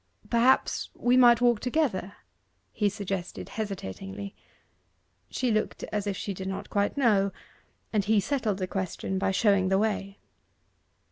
'Perhaps we might walk together,' he suggested hesitatingly. She looked as if she did not quite know, and he settled the question by showing the way.